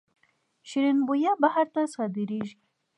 شیرین بویه بهر ته صادریږي